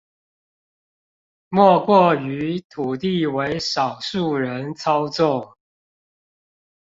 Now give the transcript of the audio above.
莫過於土地為少數人操縱